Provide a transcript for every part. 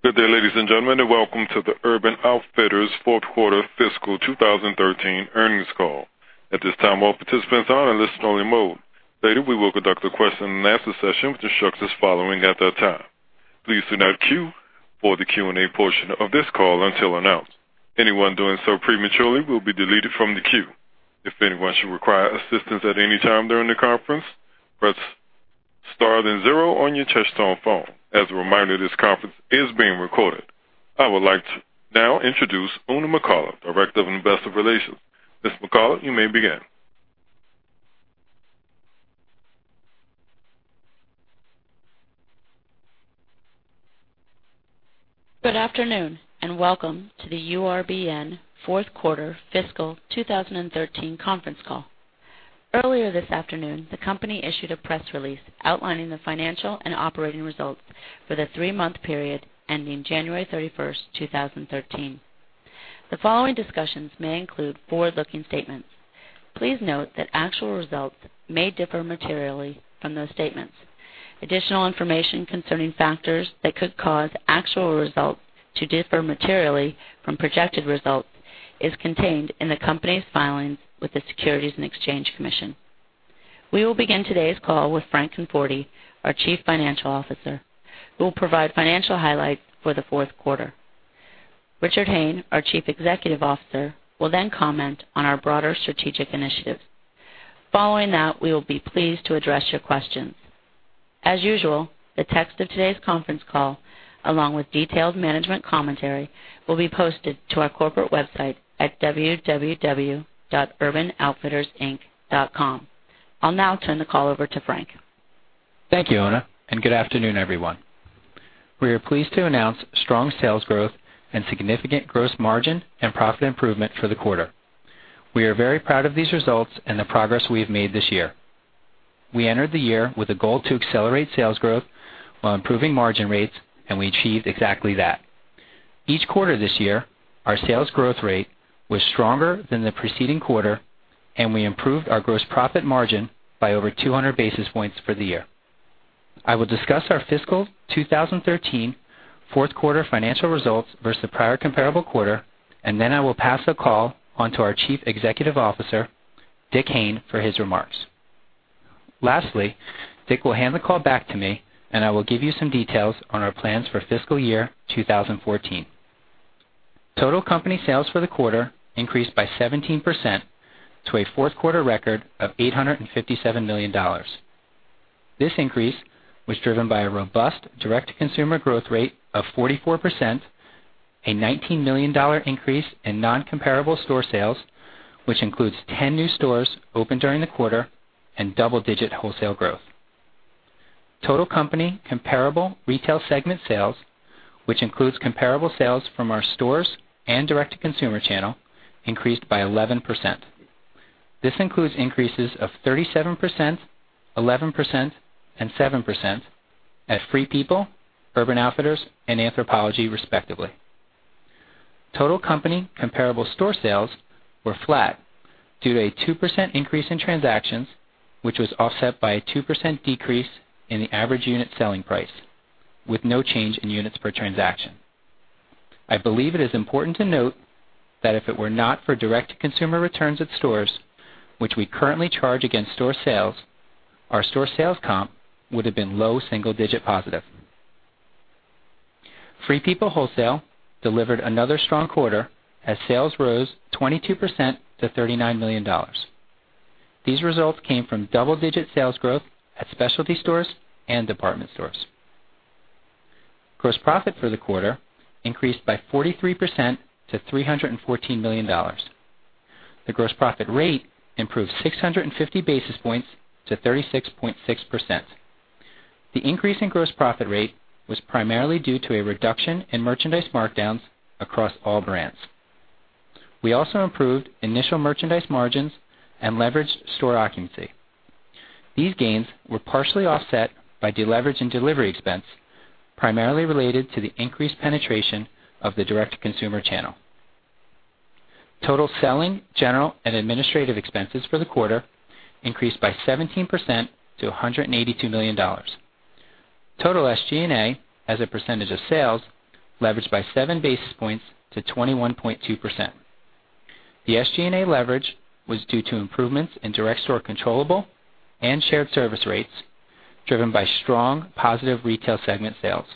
Good day, ladies and gentlemen, and welcome to the Urban Outfitters fourth quarter fiscal 2013 earnings call. At this time, all participants are in listen only mode. Later, we will conduct a question and answer session, which instructions following at that time. Please do not queue for the Q&A portion of this call until announced. Anyone doing so prematurely will be deleted from the queue. If anyone should require assistance at any time during the conference, press star then zero on your touch-tone phone. As a reminder, this conference is being recorded. I would like to now introduce Oona McCullough, Director of Investor Relations. Ms. McCullough, you may begin. Good afternoon, and welcome to the URBN fourth quarter fiscal 2013 conference call. Earlier this afternoon, the company issued a press release outlining the financial and operating results for the three-month period ending January 31st, 2013. The following discussions may include forward-looking statements. Please note that actual results may differ materially from those statements. Additional information concerning factors that could cause actual results to differ materially from projected results is contained in the company's filings with the Securities and Exchange Commission. We will begin today's call with Frank Conforti, our Chief Financial Officer, who will provide financial highlights for the fourth quarter. Richard Hayne, our Chief Executive Officer, will then comment on our broader strategic initiatives. Following that, we will be pleased to address your questions. As usual, the text of today's conference call, along with detailed management commentary, will be posted to our corporate website at www.urbanoutfittersinc.com. I'll now turn the call over to Frank. Thank you, Oona, and good afternoon, everyone. We are pleased to announce strong sales growth and significant gross margin and profit improvement for the quarter. We are very proud of these results and the progress we have made this year. We entered the year with a goal to accelerate sales growth while improving margin rates, and we achieved exactly that. Each quarter this year, our sales growth rate was stronger than the preceding quarter, and we improved our gross profit margin by over 200 basis points for the year. I will discuss our fiscal 2013 fourth quarter financial results versus the prior comparable quarter, and then I will pass the call on to our Chief Executive Officer, Dick Hayne, for his remarks. Lastly, Dick will hand the call back to me, and I will give you some details on our plans for fiscal year 2014. Total company sales for the quarter increased by 17% to a fourth quarter record of $857 million. This increase was driven by a robust direct-to-consumer growth rate of 44%, a $19 million increase in non-comparable store sales, which includes 10 new stores opened during the quarter and double-digit wholesale growth. Total company comparable retail segment sales, which includes comparable sales from our stores and direct-to-consumer channel, increased by 11%. This includes increases of 37%, 11%, and 7% at Free People, Urban Outfitters, and Anthropologie, respectively. Total company comparable store sales were flat due to a 2% increase in transactions, which was offset by a 2% decrease in the average unit selling price, with no change in units per transaction. I believe it is important to note that if it were not for direct-to-consumer returns at stores, which we currently charge against store sales, our store sales comp would've been low single digit positive. Free People Wholesale delivered another strong quarter as sales rose 22% to $39 million. These results came from double-digit sales growth at specialty stores and department stores. Gross profit for the quarter increased by 43% to $314 million. The gross profit rate improved 650 basis points to 36.6%. The increase in gross profit rate was primarily due to a reduction in merchandise markdowns across all brands. We also improved initial merchandise margins and leveraged store occupancy. These gains were partially offset by deleverage in delivery expense, primarily related to the increased penetration of the direct-to-consumer channel. Total selling, general, and administrative expenses for the quarter increased by 17% to $182 million. Total SG&A as a percentage of sales leveraged by 7 basis points to 21.2%. The SG&A leverage was due to improvements in direct store controllable and shared service rates, driven by strong positive retail segment sales.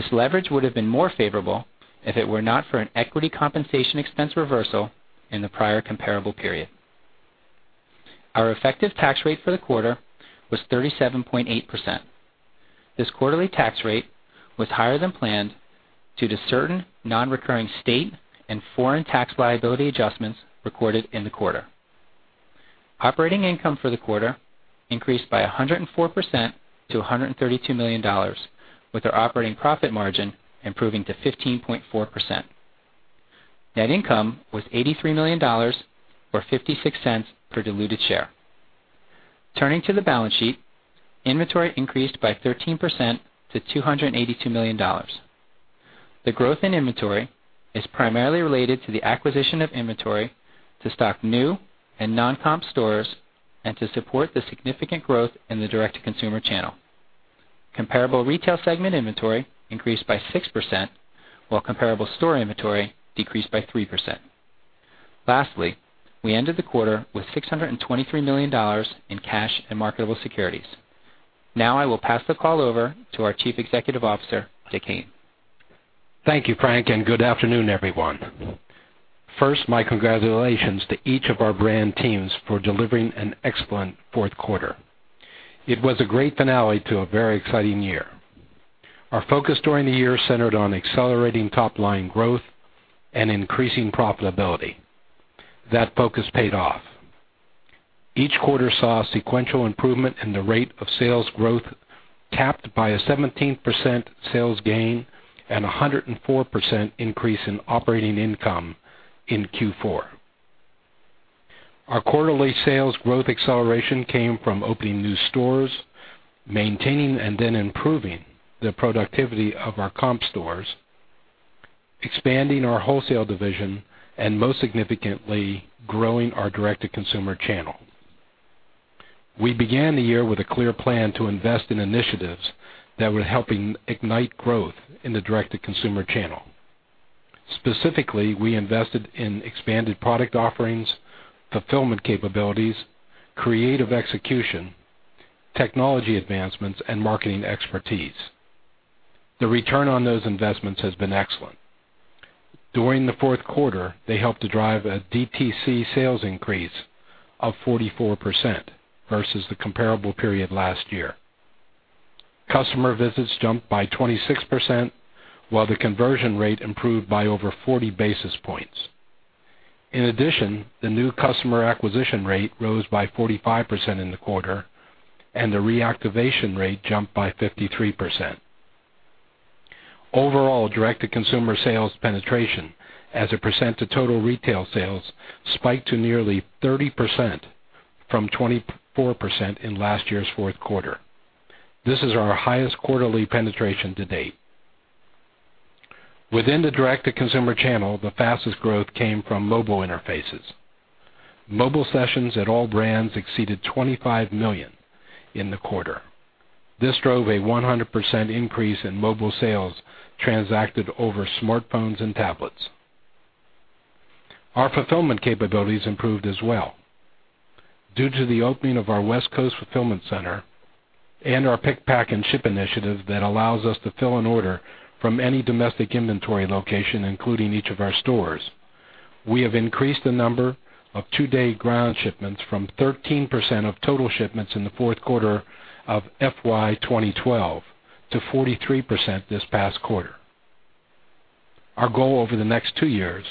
This leverage would have been more favorable if it were not for an equity compensation expense reversal in the prior comparable period. Our effective tax rate for the quarter was 37.8%. This quarterly tax rate was higher than planned due to certain non-recurring state and foreign tax liability adjustments recorded in the quarter. Operating income for the quarter increased by 104% to $132 million with our operating profit margin improving to 15.4%. Net income was $83 million, or $0.56 per diluted share. Turning to the balance sheet, inventory increased by 13% to $282 million. The growth in inventory is primarily related to the acquisition of inventory to stock new and non-comp stores and to support the significant growth in the direct-to-consumer channel. Comparable retail segment inventory increased by 6%, while comparable store inventory decreased by 3%. Lastly, we ended the quarter with $623 million in cash and marketable securities. Now I will pass the call over to our Chief Executive Officer, Dick Hayne. Thank you, Frank, and good afternoon, everyone. First, my congratulations to each of our brand teams for delivering an excellent fourth quarter. It was a great finale to a very exciting year. Our focus during the year centered on accelerating top-line growth and increasing profitability. That focus paid off. Each quarter saw sequential improvement in the rate of sales growth, capped by a 17% sales gain and 104% increase in operating income in Q4. Our quarterly sales growth acceleration came from opening new stores, maintaining and then improving the productivity of our comp stores, expanding our wholesale division, and most significantly, growing our direct-to-consumer channel. We began the year with a clear plan to invest in initiatives that would help ignite growth in the direct-to-consumer channel. Specifically, we invested in expanded product offerings, fulfillment capabilities, creative execution, technology advancements, and marketing expertise. The return on those investments has been excellent. During the fourth quarter, they helped to drive a DTC sales increase of 44% versus the comparable period last year. Customer visits jumped by 26%, while the conversion rate improved by over 40 basis points. In addition, the new customer acquisition rate rose by 45% in the quarter, and the reactivation rate jumped by 53%. Overall, direct-to-consumer sales penetration as a percent of total retail sales spiked to nearly 30% from 24% in last year's fourth quarter. This is our highest quarterly penetration to date. Within the direct-to-consumer channel, the fastest growth came from mobile interfaces. Mobile sessions at all brands exceeded 25 million in the quarter. This drove a 100% increase in mobile sales transacted over smartphones and tablets. Our fulfillment capabilities improved as well. Due to the opening of our West Coast fulfillment center and our pick, pack, and ship initiative that allows us to fill an order from any domestic inventory location, including each of our stores, we have increased the number of two-day ground shipments from 13% of total shipments in the fourth quarter of FY 2012 to 43% this past quarter. Our goal over the next two years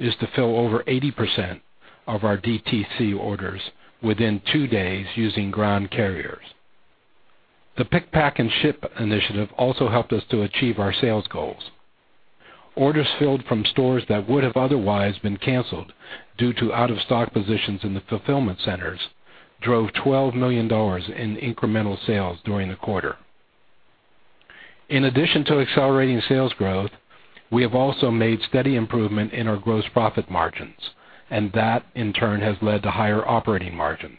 is to fill over 80% of our DTC orders within two days using ground carriers. The pick, pack, and ship initiative also helped us to achieve our sales goals. Orders filled from stores that would have otherwise been canceled due to out-of-stock positions in the fulfillment centers drove $12 million in incremental sales during the quarter. In addition to accelerating sales growth, we have also made steady improvement in our gross profit margins, and that, in turn, has led to higher operating margins.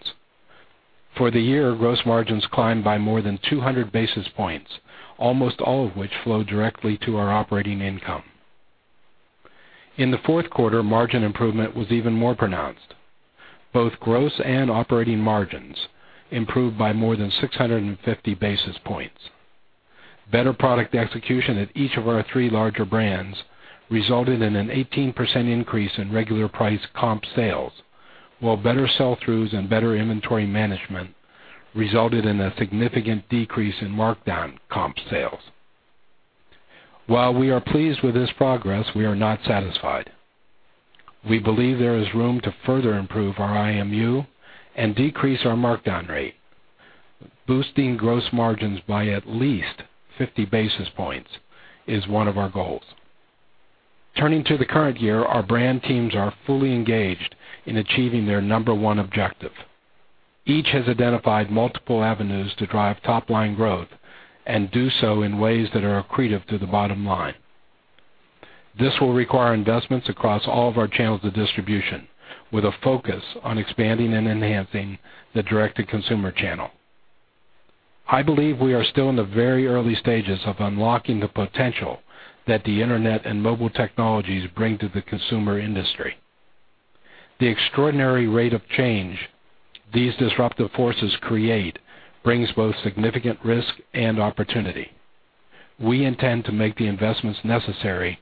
For the year, gross margins climbed by more than 200 basis points, almost all of which flowed directly to our operating income. In the fourth quarter, margin improvement was even more pronounced. Both gross and operating margins improved by more than 650 basis points. Better product execution at each of our three larger brands resulted in an 18% increase in regular price comp sales, while better sell-throughs and better inventory management resulted in a significant decrease in markdown comp sales. While we are pleased with this progress, we are not satisfied. We believe there is room to further improve our IMU and decrease our markdown rate. Boosting gross margins by at least 50 basis points is one of our goals. Turning to the current year, our brand teams are fully engaged in achieving their number one objective. Each has identified multiple avenues to drive top-line growth and do so in ways that are accretive to the bottom line. This will require investments across all of our channels of distribution, with a focus on expanding and enhancing the direct-to-consumer channel. I believe we are still in the very early stages of unlocking the potential that the internet and mobile technologies bring to the consumer industry. The extraordinary rate of change these disruptive forces create brings both significant risk and opportunity. We intend to make the investments necessary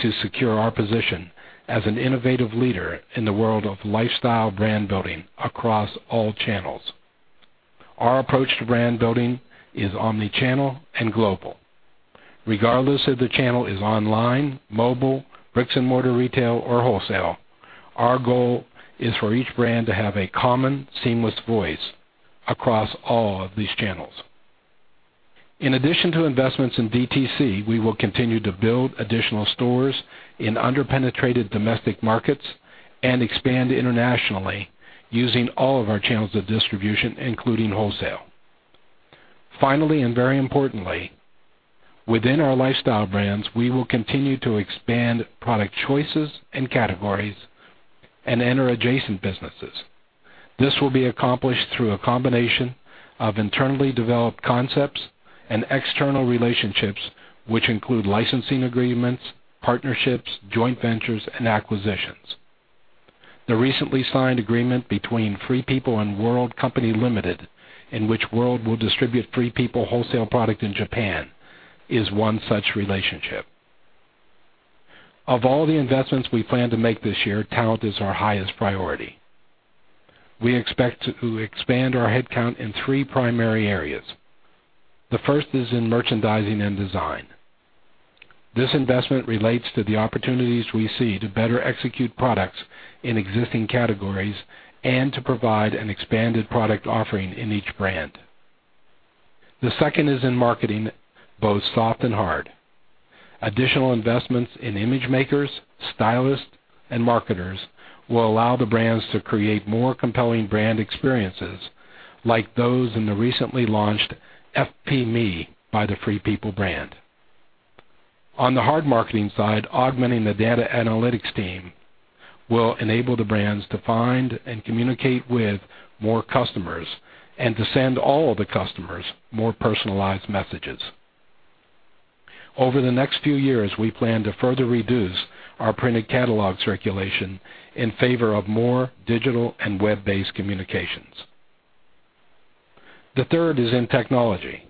to secure our position as an innovative leader in the world of lifestyle brand building across all channels. Our approach to brand building is omni-channel and global. Regardless if the channel is online, mobile, bricks and mortar retail, or wholesale, our goal is for each brand to have a common, seamless voice across all of these channels. In addition to investments in DTC, we will continue to build additional stores in under-penetrated domestic markets and expand internationally using all of our channels of distribution, including wholesale. Finally, very importantly, within our lifestyle brands, we will continue to expand product choices and categories and enter adjacent businesses. This will be accomplished through a combination of internally developed concepts and external relationships, which include licensing agreements, partnerships, joint ventures, and acquisitions. The recently signed agreement between Free People and World Co., Ltd., in which World will distribute Free People wholesale product in Japan, is one such relationship. Of all the investments we plan to make this year, talent is our highest priority. We expect to expand our headcount in three primary areas. The first is in merchandising and design. This investment relates to the opportunities we see to better execute products in existing categories and to provide an expanded product offering in each brand. The second is in marketing, both soft and hard. Additional investments in image makers, stylists, and marketers will allow the brands to create more compelling brand experiences like those in the recently launched FP Me by the Free People brand. On the hard marketing side, augmenting the data analytics team will enable the brands to find and communicate with more customers and to send all the customers more personalized messages. Over the next few years, we plan to further reduce our printed catalog circulation in favor of more digital and web-based communications. The third is in technology.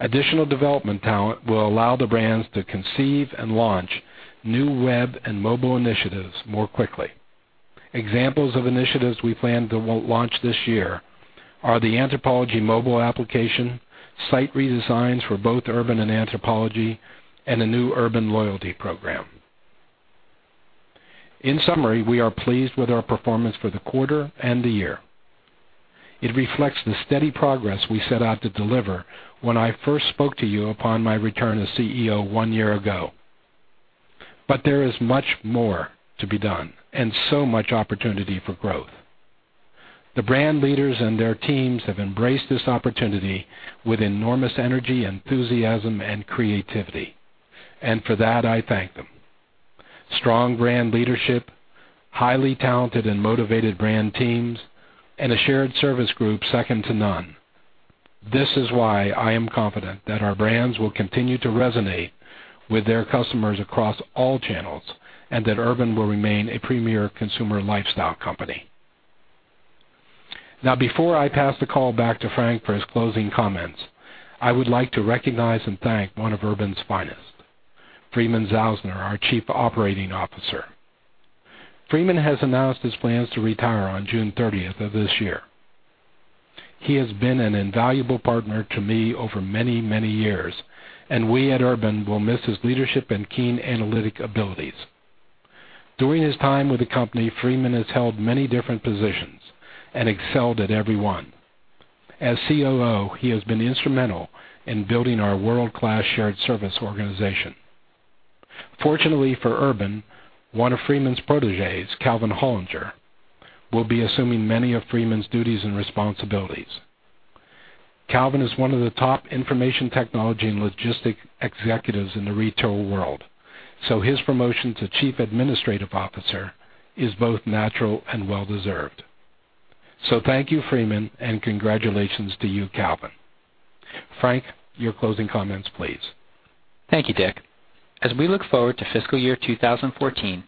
Additional development talent will allow the brands to conceive and launch new web and mobile initiatives more quickly. Examples of initiatives we plan to launch this year are the Anthropologie mobile application, site redesigns for both Urban and Anthropologie, and a new Urban loyalty program. In summary, we are pleased with our performance for the quarter and the year. It reflects the steady progress we set out to deliver when I first spoke to you upon my return as CEO one year ago. There is much more to be done and so much opportunity for growth. The brand leaders and their teams have embraced this opportunity with enormous energy, enthusiasm, and creativity. For that, I thank them. Strong brand leadership, highly talented and motivated brand teams, and a shared service group second to none. This is why I am confident that our brands will continue to resonate with their customers across all channels, and that Urban will remain a premier consumer lifestyle company. Before I pass the call back to Frank for his closing comments, I would like to recognize and thank one of Urban's finest, Freeman Zausner, our Chief Operating Officer. Freeman has announced his plans to retire on June 30th of this year. He has been an invaluable partner to me over many, many years, and we at Urban will miss his leadership and keen analytic abilities. During his time with the company, Freeman has held many different positions and excelled at every one. As COO, he has been instrumental in building our world-class shared service organization. Fortunately for Urban, one of Freeman's proteges, Calvin Hollinger, will be assuming many of Freeman's duties and responsibilities. Calvin is one of the top information technology and logistic executives in the retail world, so his promotion to Chief Administrative Officer is both natural and well-deserved. Thank you, Freeman, and congratulations to you, Calvin. Frank, your closing comments, please. Thank you, Dick. As we look forward to Fiscal Year 2014,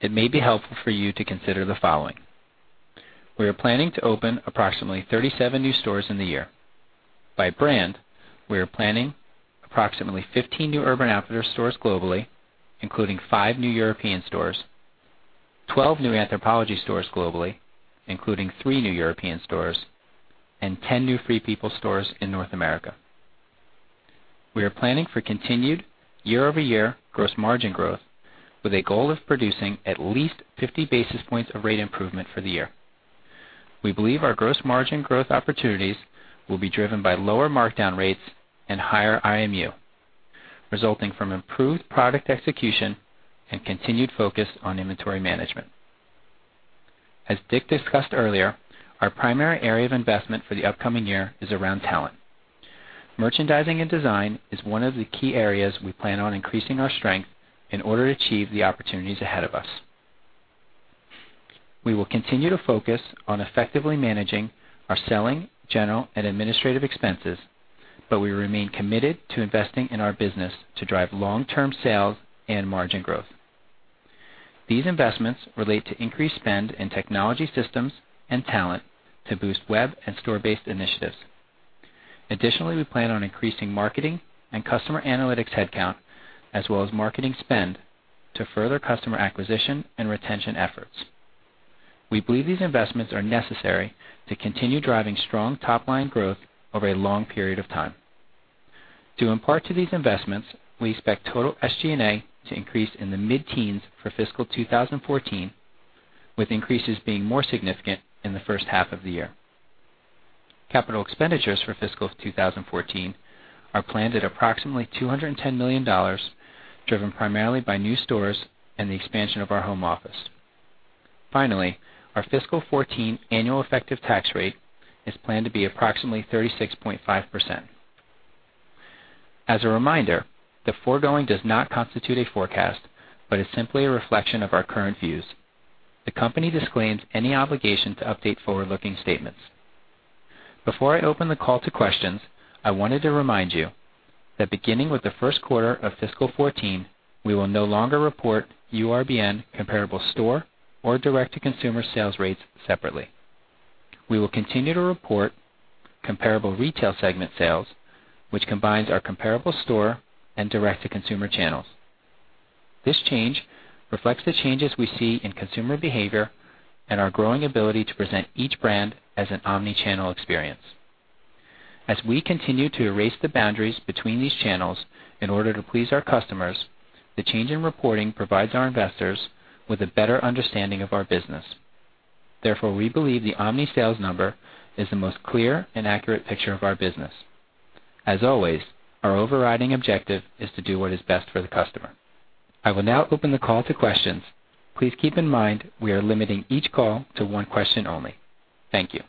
it may be helpful for you to consider the following. We are planning to open approximately 37 new stores in the year. By brand, we are planning approximately 15 new Urban Outfitters stores globally, including five new European stores, 12 new Anthropologie stores globally, including three new European stores, and 10 new Free People stores in North America. We are planning for continued year-over-year gross margin growth with a goal of producing at least 50 basis points of rate improvement for the year. We believe our gross margin growth opportunities will be driven by lower markdown rates and higher IMU, resulting from improved product execution and continued focus on inventory management. As Dick discussed earlier, our primary area of investment for the upcoming year is around talent. Merchandising and design is one of the key areas we plan on increasing our strength in order to achieve the opportunities ahead of us. We will continue to focus on effectively managing our selling, general, and administrative expenses, we remain committed to investing in our business to drive long-term sales and margin growth. These investments relate to increased spend in technology systems and talent to boost web and store-based initiatives. Additionally, we plan on increasing marketing and customer analytics headcount, as well as marketing spend, to further customer acquisition and retention efforts. We believe these investments are necessary to continue driving strong top-line growth over a long period of time. To impart to these investments, we expect total SG&A to increase in the mid-teens for Fiscal Year 2014, with increases being more significant in the first half of the year. Capital expenditures for fiscal 2014 are planned at approximately $210 million, driven primarily by new stores and the expansion of our home office. Finally, our fiscal 2014 annual effective tax rate is planned to be approximately 36.5%. As a reminder, the foregoing does not constitute a forecast, but is simply a reflection of our current views. The company disclaims any obligation to update forward-looking statements. Before I open the call to questions, I wanted to remind you that beginning with the first quarter of fiscal 2014, we will no longer report URBN comparable store or direct-to-consumer sales rates separately. We will continue to report comparable retail segment sales, which combines our comparable store and direct-to-consumer channels. This change reflects the changes we see in consumer behavior and our growing ability to present each brand as an omni-channel experience. As we continue to erase the boundaries between these channels in order to please our customers, the change in reporting provides our investors with a better understanding of our business. We believe the omni sales number is the most clear and accurate picture of our business. As always, our overriding objective is to do what is best for the customer. I will now open the call to questions. Please keep in mind, we are limiting each call to one question only. Thank you.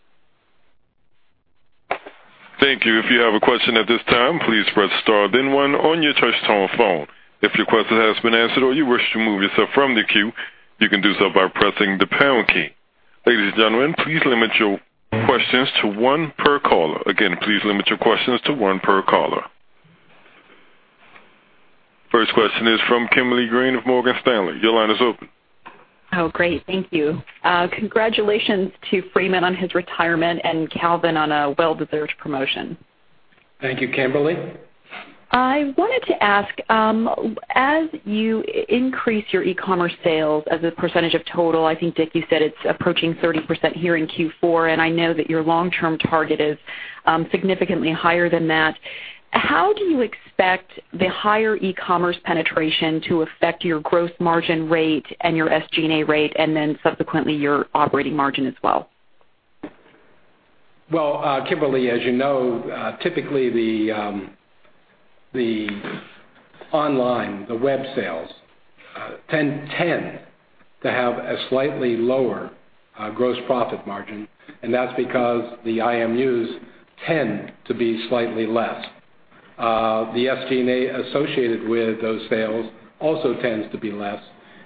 Thank you. If you have a question at this time, please press star then one on your touch-tone phone. If your question has been answered or you wish to remove yourself from the queue, you can do so by pressing the pound key. Ladies and gentlemen, please limit your questions to one per caller. Again, please limit your questions to one per caller. First question is from Kimberly Greenberger of Morgan Stanley. Your line is open. Great. Thank you. Congratulations to Freeman on his retirement and Calvin on a well-deserved promotion. Thank you, Kimberly. I wanted to ask, as you increase your e-commerce sales as a percentage of total, I think, Dick, you said it's approaching 30% here in Q4, and I know that your long-term target is significantly higher than that. How do you expect the higher e-commerce penetration to affect your gross margin rate and your SG&A rate, and then subsequently your operating margin as well? Well, Kimberly, as you know, typically the online, the web sales tend to have a slightly lower gross profit margin, and that's because the IMUs tend to be slightly less. The SG&A associated with those sales also tends to be less,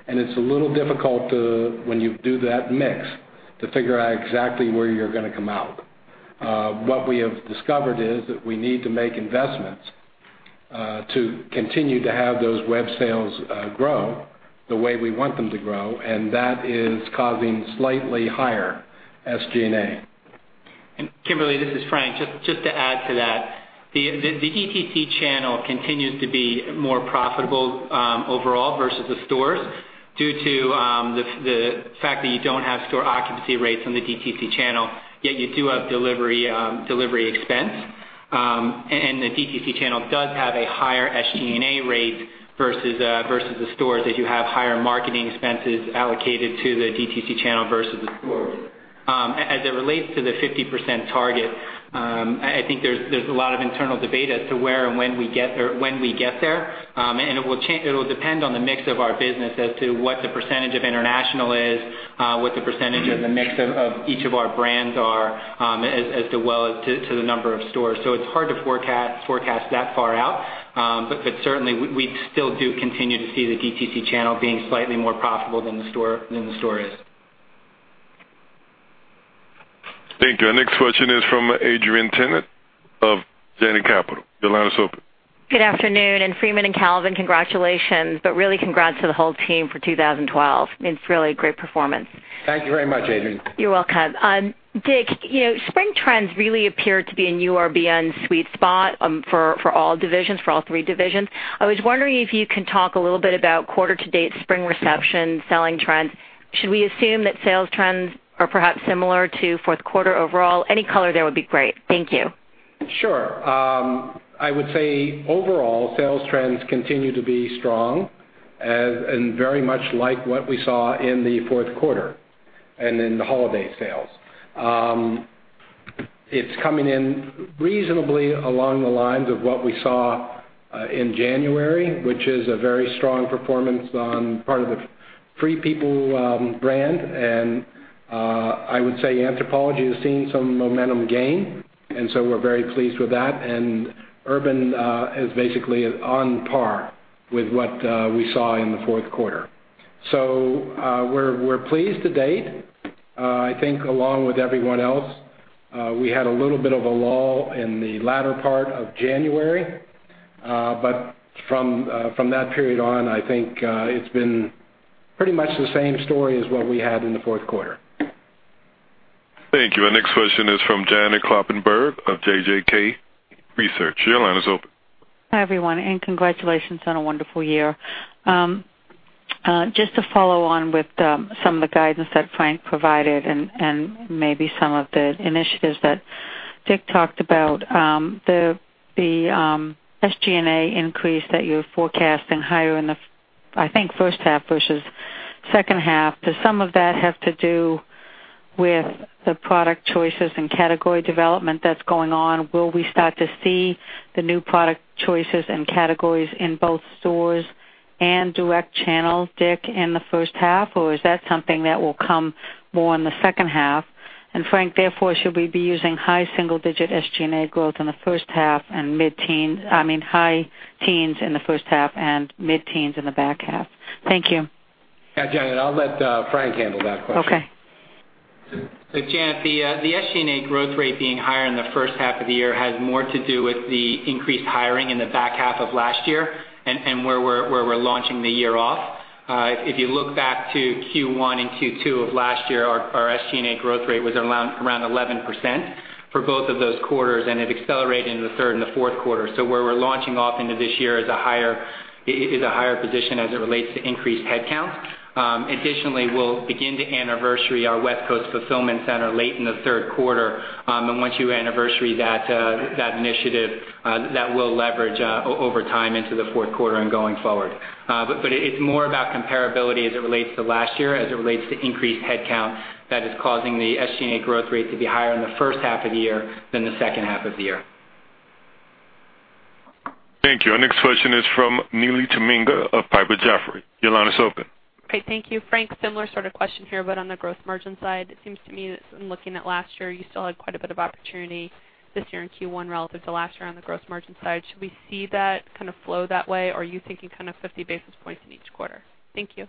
and it's a little difficult when you do that mix to figure out exactly where you're going to come out. What we have discovered is that we need to make investments to continue to have those web sales grow the way we want them to grow, and that is causing slightly higher SG&A. Kimberly, this is Frank. Just to add to that. The DTC channel continues to be more profitable overall versus the stores due to the fact that you don't have store occupancy rates on the DTC channel, yet you do have delivery expense. The DTC channel does have a higher SG&A rate versus the stores, as you have higher marketing expenses allocated to the DTC channel versus the stores. As it relates to the 50% target, I think there's a lot of internal debate as to where and when we get there. It will depend on the mix of our business as to what the percentage of international is, what the percentage of the mix of each of our brands are, as well as to the number of stores. It's hard to forecast that far out. Certainly, we still do continue to see the DTC channel being slightly more profitable than the store is. Thank you. Our next question is from Adrienne Tennant of Janney Montgomery Scott. Your line is open. Good afternoon, Freeman and Calvin, congratulations, really congrats to the whole team for 2012. It's really a great performance. Thank you very much, Adrienne. You're welcome. Dick, spring trends really appear to be in URBN sweet spot for all three divisions. I was wondering if you can talk a little bit about quarter-to-date spring reception selling trends. Should we assume that sales trends are perhaps similar to fourth quarter overall? Any color there would be great. Thank you. Sure. I would say overall, sales trends continue to be strong and very much like what we saw in the fourth quarter and in the holiday sales. It's coming in reasonably along the lines of what we saw in January, which is a very strong performance on part of the Free People brand, and I would say Anthropologie has seen some momentum gain, and so we're very pleased with that. And Urban is basically on par with what we saw in the fourth quarter. So we're pleased to date. I think along with everyone else, we had a little bit of a lull in the latter part of January. But from that period on, I think it's been pretty much the same story as what we had in the fourth quarter. Thank you. Our next question is from Janet Kloppenburg of JJK Research. Your line is open. Hi, everyone, and congratulations on a wonderful year. Just to follow on with some of the guidance that Frank provided and maybe some of the initiatives that Dick talked about. The SG&A increase that you're forecasting higher in the, I think, first half versus second half. Does some of that have to do With the product choices and category development that's going on, will we start to see the new product choices and categories in both stores and direct channel, Dick, in the first half? Or is that something that will come more in the second half? Frank, therefore, should we be using high single-digit SG&A growth in the first half and high teens in the first half and mid-teens in the back half? Thank you. Yeah, Janet, I'll let Frank handle that question. Okay. Janet, the SG&A growth rate being higher in the first half of the year has more to do with the increased hiring in the back half of last year and where we're launching the year off. If you look back to Q1 and Q2 of last year, our SG&A growth rate was around 11% for both of those quarters, and it accelerated in the third and the fourth quarter. Where we're launching off into this year is a higher position as it relates to increased headcounts. Additionally, we'll begin to anniversary our West Coast fulfillment center late in the third quarter. Once you anniversary that initiative, that will leverage over time into the fourth quarter and going forward. It's more about comparability as it relates to last year, as it relates to increased headcount that is causing the SG&A growth rate to be higher in the first half of the year than the second half of the year. Thank you. Our next question is from Neely Tamminga of Piper Jaffray. Your line is open. Great. Thank you. Frank, similar sort of question here, on the gross margin side, it seems to me that in looking at last year, you still had quite a bit of opportunity this year in Q1 relative to last year on the gross margin side. Should we see that kind of flow that way? Are you thinking kind of 50 basis points in each quarter? Thank you.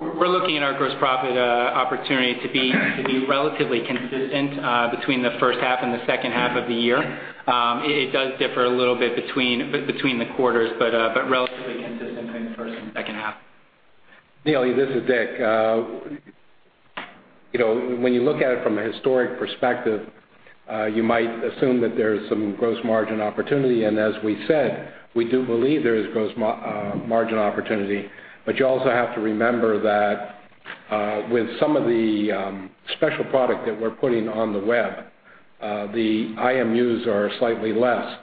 We're looking at our gross profit opportunity to be relatively consistent between the first half and the second half of the year. It does differ a little bit between the quarters, relatively consistent between the first and second half. Neely, this is Dick. When you look at it from a historic perspective, you might assume that there's some gross margin opportunity, and as we said, we do believe there is gross margin opportunity. You also have to remember that with some of the special product that we're putting on the web, the IMUs are slightly less,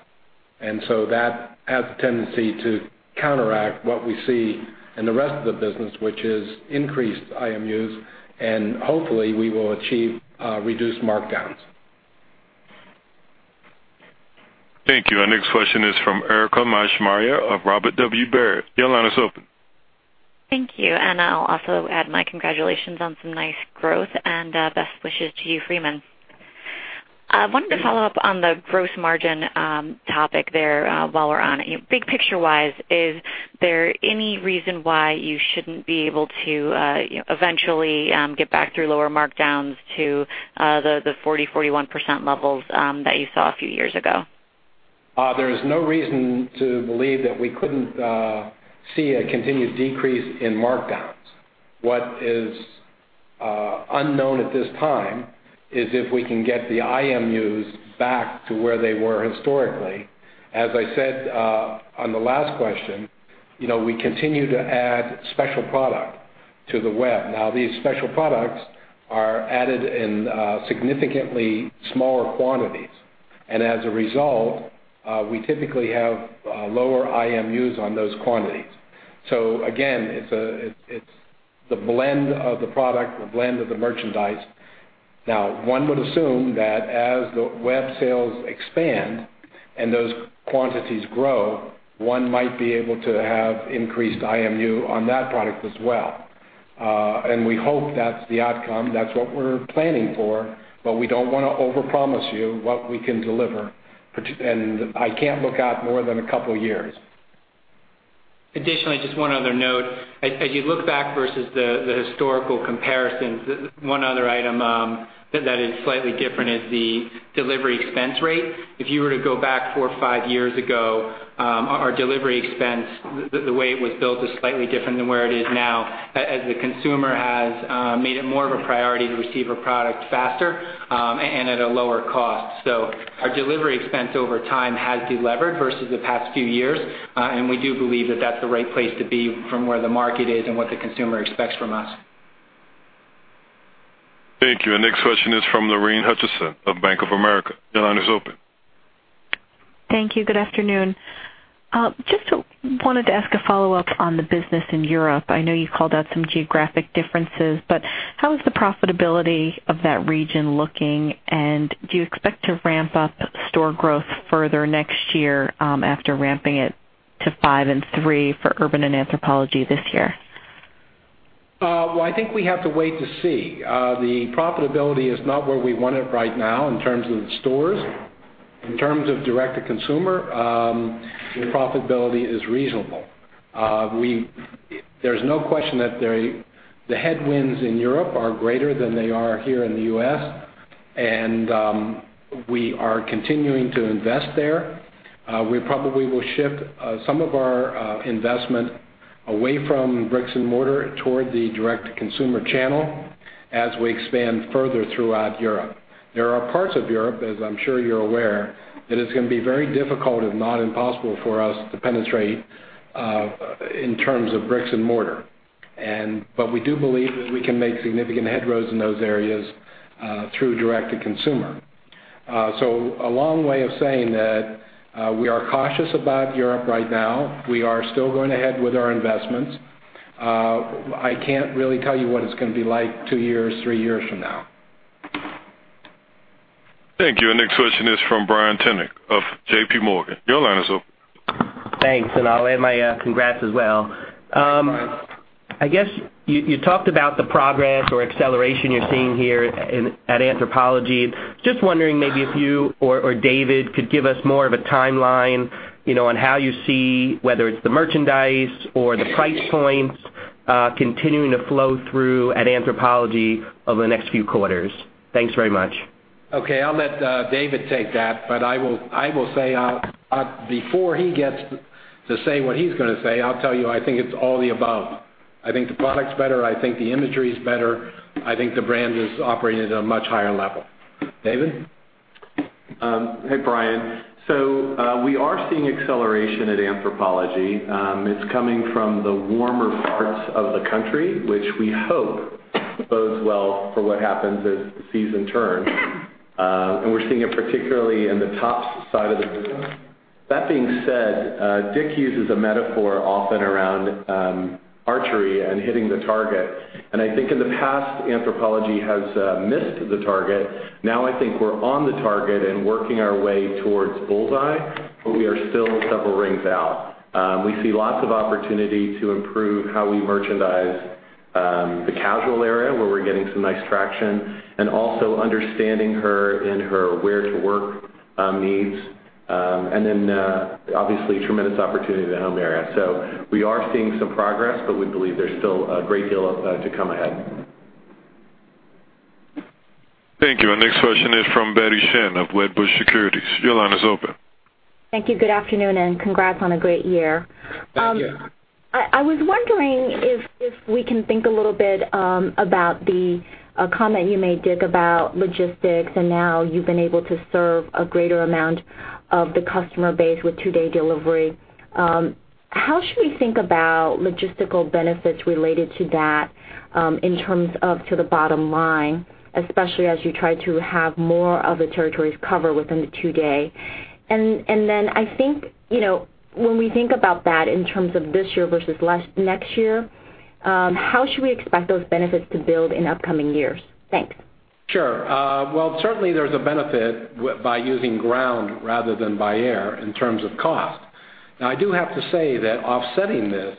that has the tendency to counteract what we see in the rest of the business, which is increased IMUs, and hopefully, we will achieve reduced markdowns. Thank you. Our next question is from Erika Maschmeyer of Robert W. Baird. Your line is open. Thank you. I'll also add my congratulations on some nice growth and best wishes to you, Freeman. I wanted to follow up on the gross margin topic there while we're on it. Big picture-wise, is there any reason why you shouldn't be able to eventually get back through lower markdowns to the 40%, 41% levels that you saw a few years ago? There is no reason to believe that we couldn't see a continued decrease in markdowns. What is unknown at this time is if we can get the IMUs back to where they were historically. As I said on the last question, we continue to add special product to the web. These special products are added in significantly smaller quantities. As a result, we typically have lower IMUs on those quantities. Again, it's the blend of the product, the blend of the merchandise. One would assume that as the web sales expand and those quantities grow, one might be able to have increased IMU on that product as well. We hope that's the outcome. That's what we're planning for. We don't want to overpromise you what we can deliver. I can't look out more than a couple of years. Additionally, just one other note. As you look back versus the historical comparisons, one other item that is slightly different is the delivery expense rate. If you were to go back four or five years ago, our delivery expense, the way it was built, is slightly different than where it is now, as the consumer has made it more of a priority to receive a product faster and at a lower cost. Our delivery expense over time has delevered versus the past few years, and we do believe that that's the right place to be from where the market is and what the consumer expects from us. Thank you. Our next question is from Lorraine Hutchinson of Bank of America. Your line is open. Thank you. Good afternoon. Just wanted to ask a follow-up on the business in Europe. I know you called out some geographic differences, but how is the profitability of that region looking, and do you expect to ramp up store growth further next year after ramping it to 5 and 3 for Urban and Anthropologie this year? I think we have to wait to see. The profitability is not where we want it right now in terms of the stores. In terms of direct-to-consumer, the profitability is reasonable. There's no question that the headwinds in Europe are greater than they are here in the U.S., and we are continuing to invest there. We probably will shift some of our investment away from bricks and mortar toward the direct-to-consumer channel as we expand further throughout Europe. There are parts of Europe, as I'm sure you're aware, that is going to be very difficult, if not impossible, for us to penetrate in terms of bricks and mortar. We do believe that we can make significant headway in those areas through direct-to-consumer. A long way of saying that we are cautious about Europe right now. We are still going ahead with our investments. I can't really tell you what it's going to be like 2 years, 3 years from now. Thank you. Our next question is from Brian Tunick of JP Morgan. Your line is open. Thanks. I'll add my congrats as well. Thanks. I guess you talked about the progress or acceleration you're seeing here at Anthropologie. Just wondering maybe if you or David could give us more of a timeline on how you see whether it's the merchandise or the price points continuing to flow through at Anthropologie over the next few quarters. Thanks very much. Okay. I'll let David take that, but I will say, before he gets to say what he's going to say, I'll tell you, I think it's all the above. I think the product's better. I think the imagery is better. I think the brand is operating at a much higher level. David? Hey, Brian. We are seeing acceleration at Anthropologie. It's coming from the warmer parts of the country, which we hope bodes well for what happens as the season turns. We're seeing it particularly in the tops side of the business. That being said, Dick uses a metaphor often around archery and hitting the target. I think in the past, Anthropologie has missed the target. I think we're on the target and working our way towards bullseye, but we are still several rings out. We see lots of opportunity to improve how we merchandise the casual area, where we're getting some nice traction, and also understanding her and her wear-to-work needs. Obviously, tremendous opportunity in the home area. We are seeing some progress, but we believe there's still a great deal to come ahead. Thank you. Our next question is from Betty Chen of Wedbush Securities. Your line is open. Thank you. Good afternoon and congrats on a great year. Thank you. I was wondering if we can think a little bit about the comment you made, Dick, about logistics, and now you've been able to serve a greater amount of the customer base with two-day delivery. How should we think about logistical benefits related to that in terms of to the bottom line, especially as you try to have more of the territories covered within the two day? Then I think, when we think about that in terms of this year versus next year, how should we expect those benefits to build in upcoming years? Thanks. Sure. Well, certainly there's a benefit by using ground rather than by air in terms of cost. Now, I do have to say that offsetting this,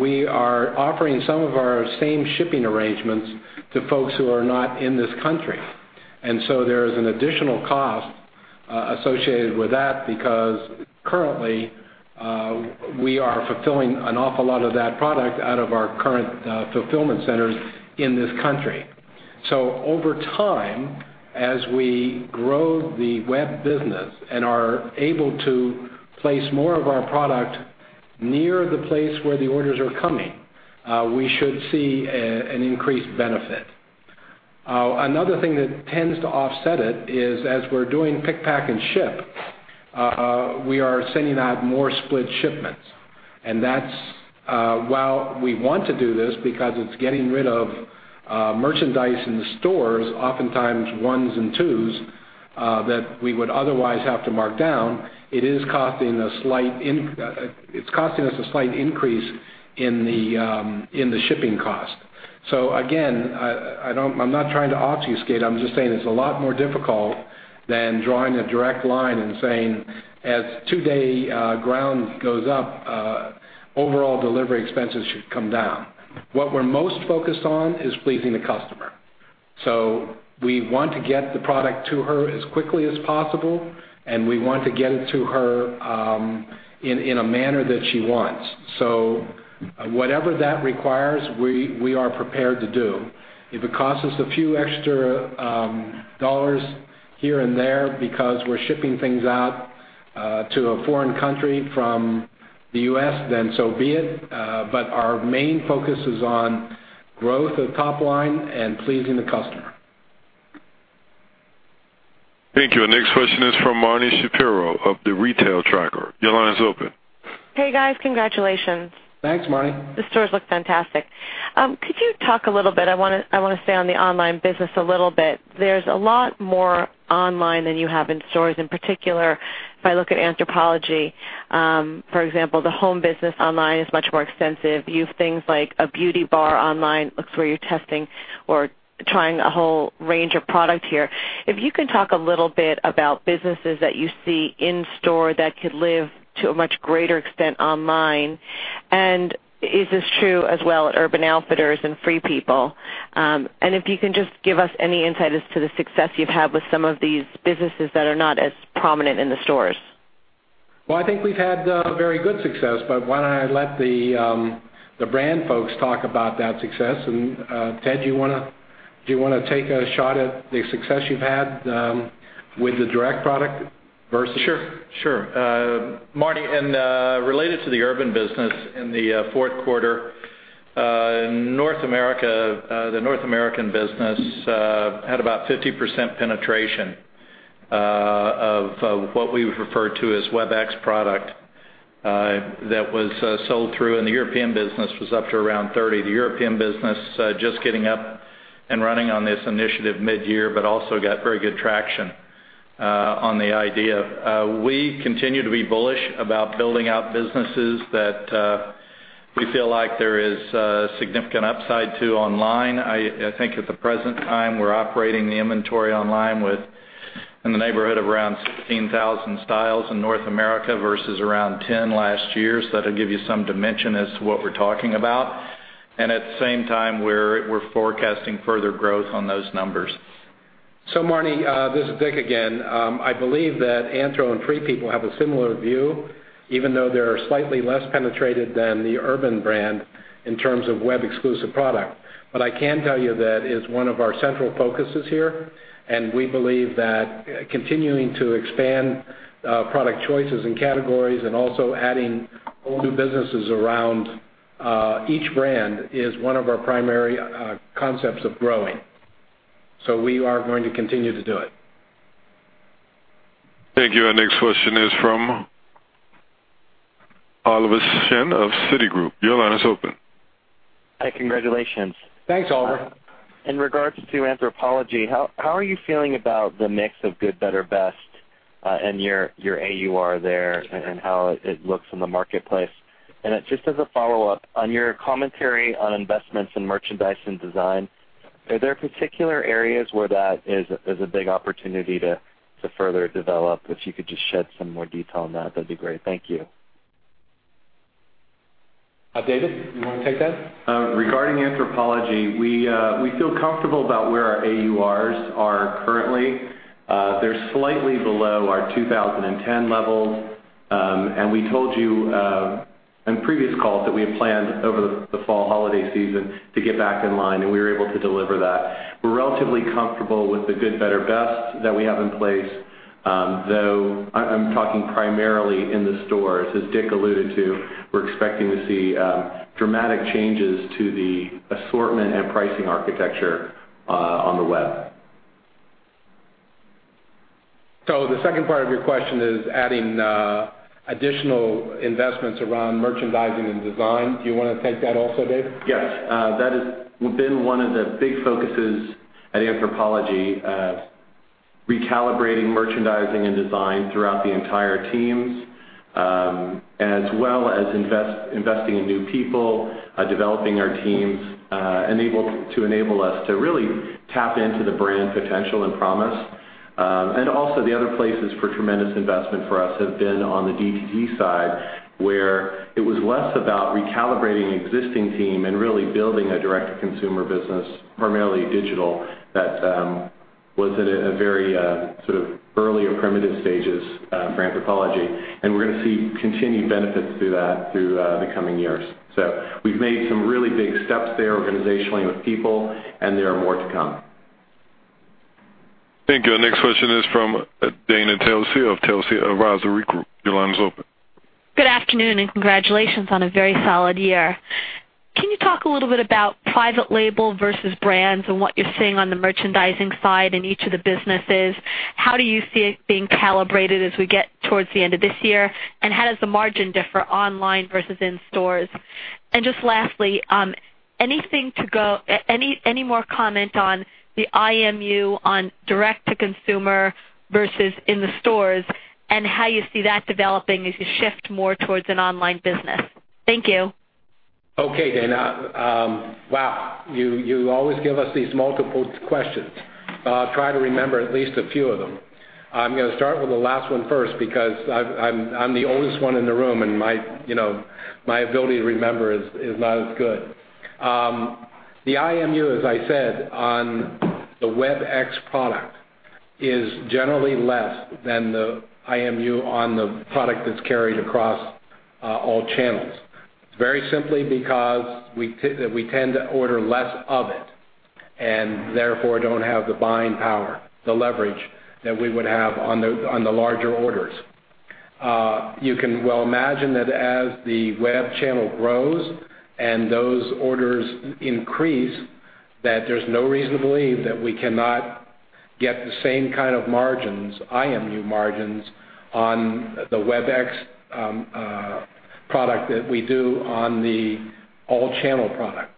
we are offering some of our same shipping arrangements to folks who are not in this country. There is an additional cost associated with that because currently, we are fulfilling an awful lot of that product out of our current fulfillment centers in this country. Over time, as we grow the web business and are able to place more of our product near the place where the orders are coming, we should see an increased benefit. Another thing that tends to offset it is as we're doing pick, pack, and ship, we are sending out more split shipments. While we want to do this because it's getting rid of merchandise in the stores, oftentimes ones and twos, that we would otherwise have to mark down, it is costing us a slight increase in the shipping cost. Again, I'm not trying to obfuscate. I'm just saying it's a lot more difficult than drawing a direct line and saying as two-day ground goes up, overall delivery expenses should come down. What we're most focused on is pleasing the customer. We want to get the product to her as quickly as possible, and we want to get it to her in a manner that she wants. Whatever that requires, we are prepared to do. If it costs us a few extra dollars here and there because we're shipping things out to a foreign country from the U.S., then so be it. Our main focus is on growth of top line and pleasing the customer. Thank you. Our next question is from Marni Shapiro of The Retail Tracker. Your line is open. Hey, guys. Congratulations. Thanks, Marni. The stores look fantastic. Could you talk a little bit. I want to stay on the online business a little bit. There's a lot more online than you have in stores. In particular, if I look at Anthropologie, for example, the home business online is much more extensive. You have things like a beauty bar online. Looks where you're testing or trying a whole range of product here. If you can talk a little bit about businesses that you see in store that could live to a much greater extent online. Is this true as well at Urban Outfitters and Free People? If you can just give us any insight as to the success you've had with some of these businesses that are not as prominent in the stores. I think we've had very good success, but why don't I let the brand folks talk about that success. Ted, do you want to take a shot at the success you've had with the direct product versus. Sure. Marni, related to the Urban business in the fourth quarter, the North American business had about 50% penetration. Of what we would refer to as web-exclusive product that was sold through in the European business was up to around 30%. The European business just getting up and running on this initiative mid-year, but also got very good traction on the idea. We continue to be bullish about building out businesses that we feel like there is a significant upside to online. I think at the present time, we're operating the inventory online in the neighborhood of around 16,000 styles in North America versus around 10 last year. That'll give you some dimension as to what we're talking about. At the same time, we're forecasting further growth on those numbers. Marni, this is Dick again. I believe that Anthro and Free People have a similar view, even though they are slightly less penetrated than the Urban brand in terms of web-exclusive product. I can tell you that it is one of our central focuses here, and we believe that continuing to expand product choices and categories and also adding all new businesses around each brand is one of our primary concepts of growing. We are going to continue to do it. Thank you. Our next question is from Oliver Chen of Citigroup. Your line is open. Hi, congratulations. Thanks, Oliver. In regards to Anthropologie, how are you feeling about the mix of good, better, best in your AUR there and how it looks in the marketplace? Just as a follow-up, on your commentary on investments in merchandise and design, are there particular areas where that is a big opportunity to further develop? If you could just shed some more detail on that'd be great. Thank you. David, you want to take that? Regarding Anthropologie, we feel comfortable about where our AURs are currently. They're slightly below our 2010 levels. We told you in previous calls that we had planned over the fall holiday season to get back in line, and we were able to deliver that. We're relatively comfortable with the good, better, best that we have in place, though I'm talking primarily in the stores. As Dick alluded to, we're expecting to see dramatic changes to the assortment and pricing architecture on the web. The second part of your question is adding additional investments around merchandising and design. Do you want to take that also, Dave? Yes. That has been one of the big focuses at Anthropologie, recalibrating merchandising and design throughout the entire teams as well as investing in new people, developing our teams to enable us to really tap into the brand potential and promise. Also the other places for tremendous investment for us have been on the D2C side, where it was less about recalibrating an existing team and really building a direct-to-consumer business, primarily digital, that was in a very sort of early or primitive stages for Anthropologie. We're going to see continued benefits through that through the coming years. We've made some really big steps there organizationally with people, and there are more to come. Thank you. Our next question is from Dana Telsey of Telsey Advisory Group. Your line is open. Good afternoon. Congratulations on a very solid year. Can you talk a little bit about private label versus brands and what you're seeing on the merchandising side in each of the businesses? How do you see it being calibrated as we get towards the end of this year? How does the margin differ online versus in stores? Just lastly, any more comment on the IMU on direct to consumer versus in the stores and how you see that developing as you shift more towards an online business? Thank you. Okay, Dana. Wow. You always give us these multiple questions. I'll try to remember at least a few of them. I'm going to start with the last one first because I'm the oldest one in the room and my ability to remember is not as good. The IMU, as I said, on the web-exclusive product is generally less than the IMU on the product that's carried across all channels. It's very simply because we tend to order less of it and therefore don't have the buying power, the leverage that we would have on the larger orders. You can well imagine that as the web channel grows and those orders increase, there's no reason to believe that we cannot get the same kind of margins, IMU margins, on the web-exclusive product that we do on the all-channel product.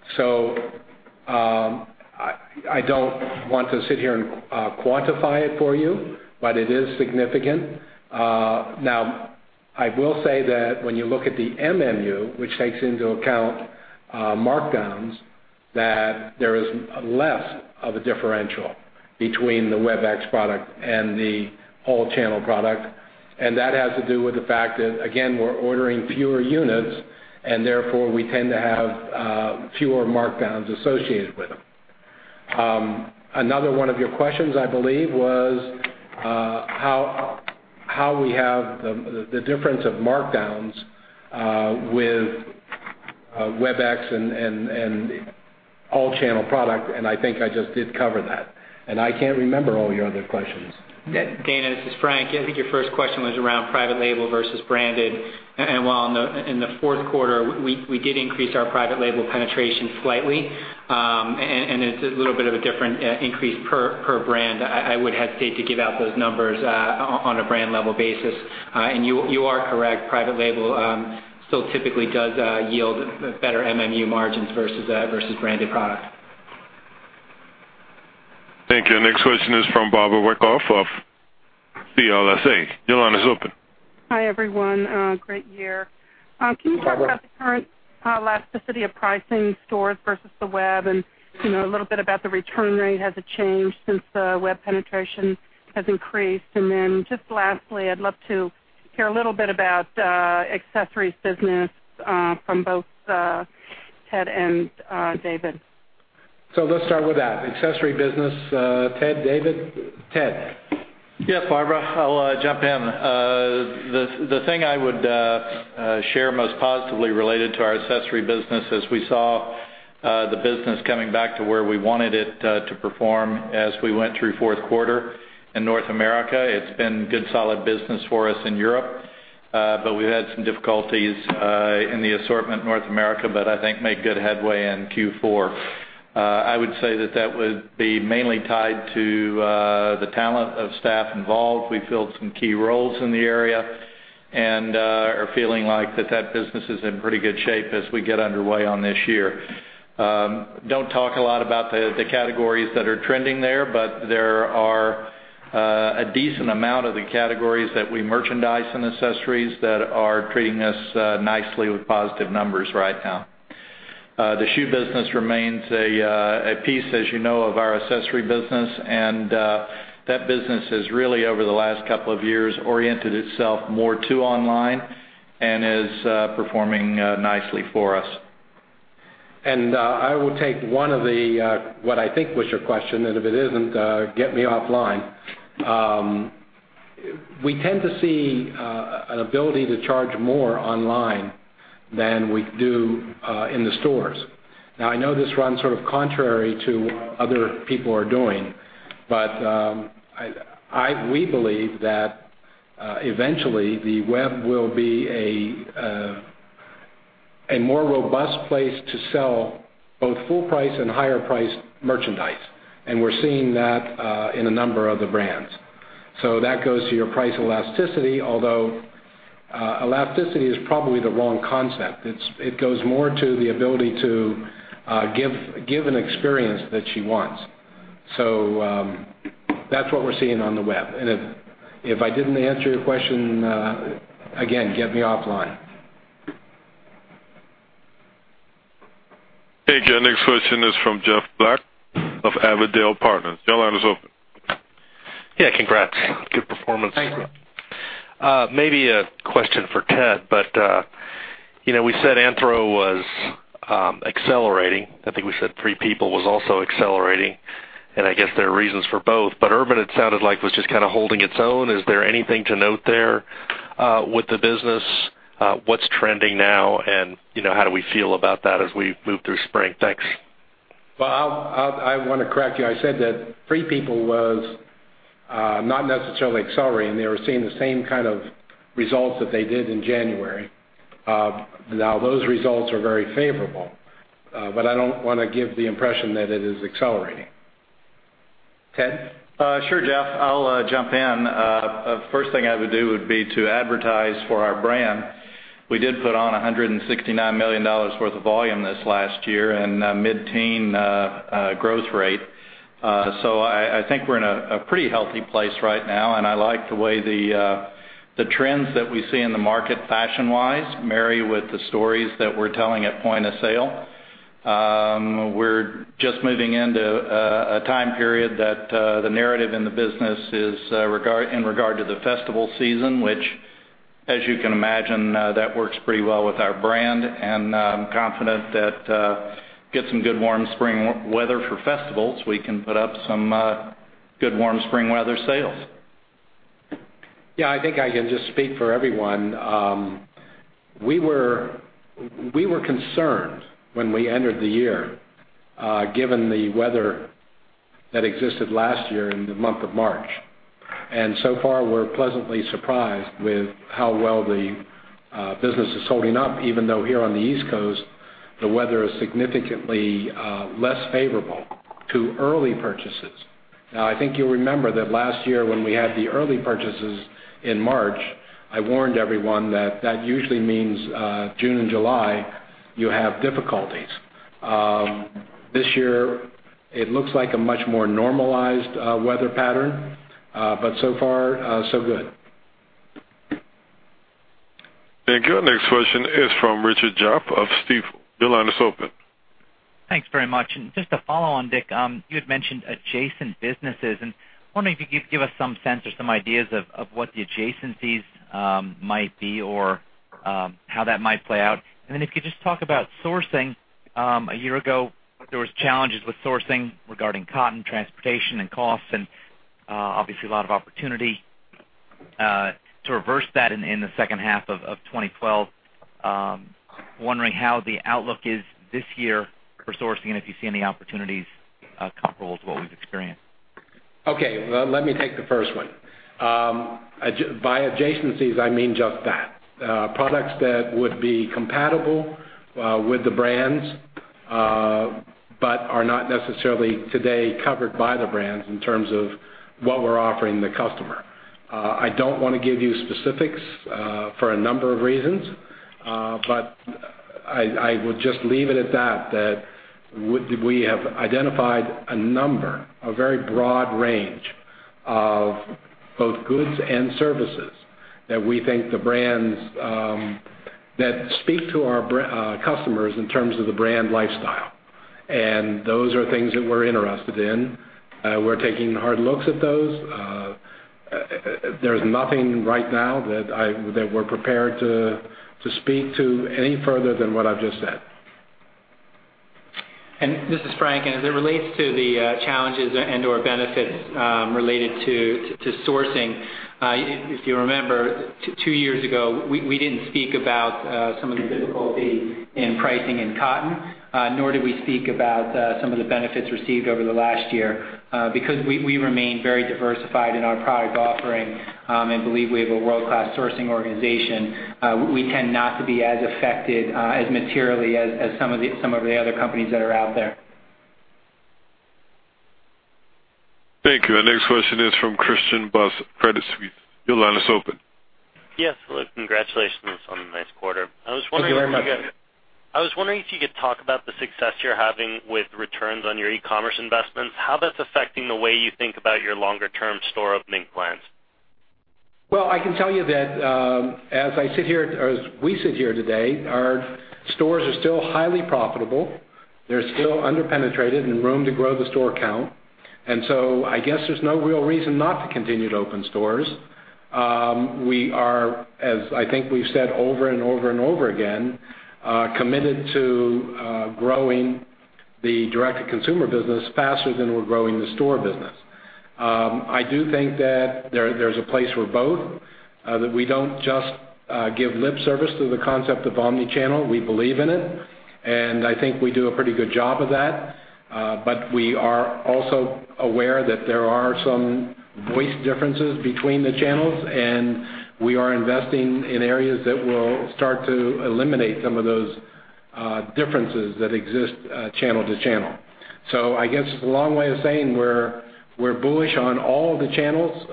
I don't want to sit here and quantify it for you, but it is significant. Now, I will say that when you look at the MMU, which takes into account markdowns, that there is less of a differential between the web-exclusive product and the all-channel product. That has to do with the fact that, again, we're ordering fewer units and therefore we tend to have fewer markdowns associated with them. Another one of your questions, I believe, was how we have the difference of markdowns with web-exclusive and all-channel product, and I think I just did cover that. I can't remember all your other questions. Dana, this is Frank. I think your first question was around private label versus branded. While in the fourth quarter, we did increase our private label penetration slightly, it's a little bit of a different increase per brand. I would hesitate to give out those numbers on a brand level basis. You are correct, private label still typically does yield better MMU margins versus branded product. Thank you. Next question is from Barbara Wyckoff of CLSA. Your line is open. Hi, everyone. Great year. Barbara. Can you talk about the current elasticity of pricing stores versus the web, and a little bit about the return rate? Has it changed since the web penetration has increased? Then just lastly, I'd love to hear a little bit about accessories business from both Ted and David. Let's start with that, accessory business. Ted, David? Ted. Yes, Barbara, I'll jump in. The thing I would share most positively related to our accessory business is we saw the business coming back to where we wanted it to perform as we went through fourth quarter in North America. It's been good solid business for us in Europe. We've had some difficulties in the assortment North America, I think made good headway in Q4. I would say that would be mainly tied to the talent of staff involved. We filled some key roles in the area and are feeling like that business is in pretty good shape as we get underway on this year. Don't talk a lot about the categories that are trending there, but there are a decent amount of the categories that we merchandise in accessories that are treating us nicely with positive numbers right now. The shoe business remains a piece, as you know, of our accessory business, that business has really, over the last couple of years, oriented itself more to online and is performing nicely for us. I will take one of what I think was your question, and if it isn't, get me offline. We tend to see an ability to charge more online than we do in the stores. Now, I know this runs sort of contrary to what other people are doing. We believe that eventually the web will be a more robust place to sell both full-price and higher-priced merchandise. We're seeing that in a number of the brands. That goes to your price elasticity, although elasticity is probably the wrong concept. It goes more to the ability to give an experience that she wants. That's what we're seeing on the web. If I didn't answer your question, again, get me offline. Thank you. Next question is from Jeff Black of Avondale Partners. Your line is open. Yeah, congrats. Good performance. Thanks. Maybe a question for Ted, but we said Anthro was accelerating. I think we said Free People was also accelerating, and I guess there are reasons for both. Urban, it sounded like was just kind of holding its own. Is there anything to note there with the business? What's trending now, and how do we feel about that as we move through spring? Thanks. Well, I want to correct you. I said that Free People was not necessarily accelerating. They were seeing the same kind of results that they did in January. Now, those results are very favorable. I don't want to give the impression that it is accelerating. Ted? Sure, Jeff, I'll jump in. First thing I would do would be to advertise for our brand. We did put on $169 million worth of volume this last year and mid-teen growth rate. I think we're in a pretty healthy place right now, and I like the way the trends that we see in the market fashion-wise marry with the stories that we're telling at point of sale. We're just moving into a time period that the narrative in the business is in regard to the festival season, which, as you can imagine, that works pretty well with our brand. I'm confident that get some good warm spring weather for festivals, we can put up some good warm spring weather sales. Yeah, I think I can just speak for everyone. We were concerned when we entered the year given the weather that existed last year in the month of March. So far we're pleasantly surprised with how well the business is holding up, even though here on the East Coast, the weather is significantly less favorable to early purchases. Now, I think you'll remember that last year when we had the early purchases in March, I warned everyone that that usually means June and July, you have difficulties. This year it looks like a much more normalized weather pattern. So far, so good. Thank you. Our next question is from Richard Jaffe of Stifel. Your line is open. Thanks very much. Just to follow on, Dick, you had mentioned adjacent businesses, and wondering if you could give us some sense or some ideas of what the adjacencies might be or how that might play out. Then if you could just talk about sourcing. A year ago, there was challenges with sourcing regarding cotton transportation and costs, and obviously a lot of opportunity. To reverse that in the second half of 2012, I'm wondering how the outlook is this year for sourcing, and if you see any opportunities comparable to what we've experienced. Okay. Well, let me take the first one. By adjacencies, I mean just that. Products that would be compatible with the brands, but are not necessarily today covered by the brands in terms of what we're offering the customer. I don't want to give you specifics for a number of reasons. I would just leave it at that we have identified a number, a very broad range of both goods and services that we think That speak to our customers in terms of the brand lifestyle. Those are things that we're interested in. We're taking hard looks at those. There's nothing right now that we're prepared to speak to any further than what I've just said. This is Frank. As it relates to the challenges and/or benefits related to sourcing, if you remember, two years ago, we didn't speak about some of the difficulty in pricing in cotton, nor did we speak about some of the benefits received over the last year. Because we remain very diversified in our product offering and believe we have a world-class sourcing organization, we tend not to be as affected as materially as some of the other companies that are out there. Thank you. Our next question is from Christian Buss, Credit Suisse. Your line is open. Yes. Hello. Congratulations on a nice quarter. Thank you very much. I was wondering if you could talk about the success you're having with returns on your e-commerce investments, how that's affecting the way you think about your longer-term store opening plans. Well, I can tell you that as we sit here today, our stores are still highly profitable. They're still under-penetrated and room to grow the store count. I guess there's no real reason not to continue to open stores. We are, as I think we've said over and over and over again, committed to growing the direct-to-consumer business faster than we're growing the store business. I do think that there's a place for both, that we don't just give lip service to the concept of omni-channel. We believe in it, and I think we do a pretty good job of that. We are also aware that there are some voice differences between the channels, and we are investing in areas that will start to eliminate some of those differences that exist channel to channel. I guess it's a long way of saying we're bullish on all the channels,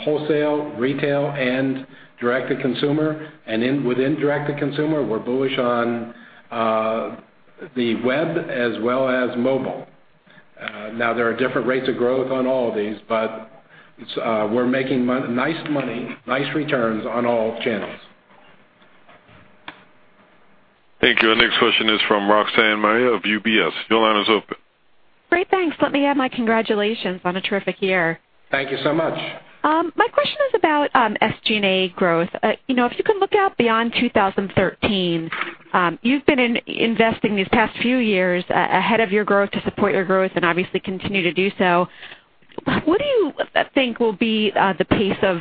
wholesale, retail, and direct to consumer. Within direct to consumer, we're bullish on the web as well as mobile. There are different rates of growth on all of these, we're making nice money, nice returns on all channels. Thank you. Our next question is from Roxanne Meyer of UBS. Your line is open. Great. Thanks. Let me add my congratulations on a terrific year. Thank you so much. My question is about SG&A growth. If you can look out beyond 2013, you've been investing these past few years ahead of your growth to support your growth and obviously continue to do so. What do you think will be the pace of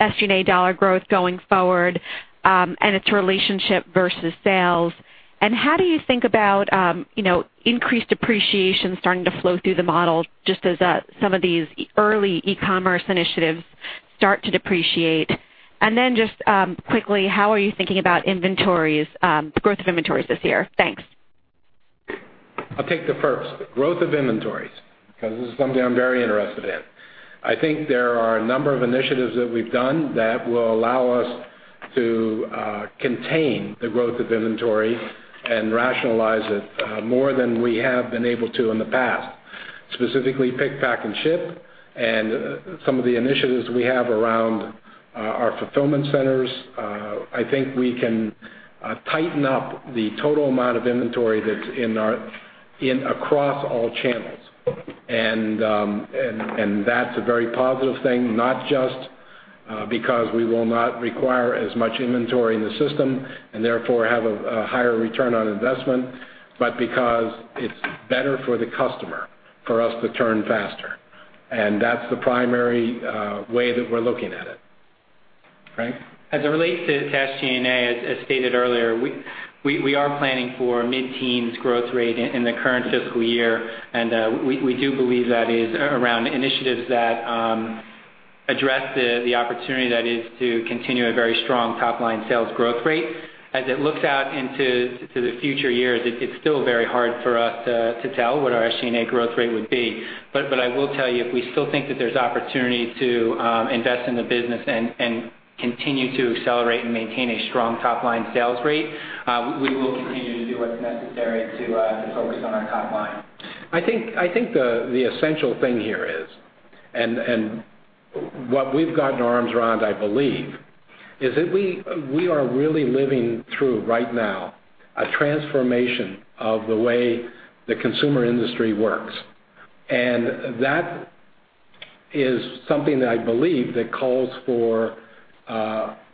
SG&A dollar growth going forward and its relationship versus sales? How do you think about increased depreciation starting to flow through the model just as some of these early e-commerce initiatives start to depreciate? Then just quickly, how are you thinking about the growth of inventories this year? Thanks. I'll take the first. Growth of inventories, because this is something I'm very interested in. I think there are a number of initiatives that we've done that will allow us to contain the growth of inventory and rationalize it more than we have been able to in the past, specifically pick, pack, and ship, and some of the initiatives we have around our fulfillment centers. I think we can tighten up the total amount of inventory that's in across all channels. That's a very positive thing, not just because we will not require as much inventory in the system and therefore have a higher return on investment, but because it's better for the customer for us to turn faster. That's the primary way that we're looking at it. Frank? As it relates to SG&A, as stated earlier, we are planning for mid-teens growth rate in the current fiscal year. We do believe that is around initiatives that address the opportunity that is to continue a very strong top-line sales growth rate. As it looks out into the future years, it's still very hard for us to tell what our SG&A growth rate would be. I will tell you, if we still think that there's opportunity to invest in the business and continue to accelerate and maintain a strong top-line sales rate, we will continue to do what's necessary to focus on our top line. I think the essential thing here is, and what we've gotten our arms around, I believe, is that we are really living through right now a transformation of the way the consumer industry works. That is something that I believe that calls for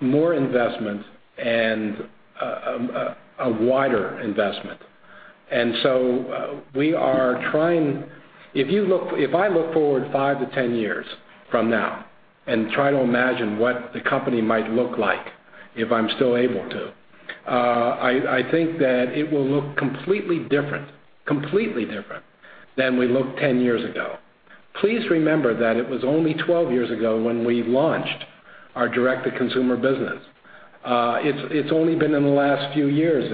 more investment and a wider investment. If I look forward 5 to 10 years from now and try to imagine what the company might look like, if I'm still able to, I think that it will look completely different than we looked 10 years ago. Please remember that it was only 12 years ago when we launched our direct-to-consumer business. It's only been in the last few years